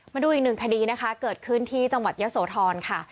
มาดูอีกหนึ่งคดีนะคะเกิดขึ้นที่จังหวัดเยอะโสธรค่ะ